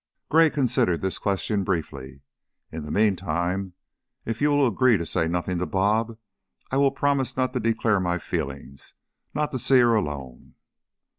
Gray considered this question briefly. "In the meantime if you will agree to say nothing to 'Bob,' I will promise not to declare my feelings, not to see her alone."